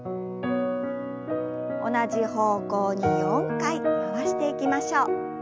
同じ方向に４回回していきましょう。